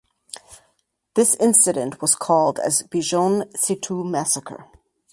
This incident was called as Bijon Setu massacre.